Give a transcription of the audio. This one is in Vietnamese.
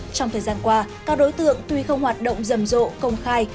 trong thời gian qua các đối tượng tuy không hoạt động dầm dộ công khai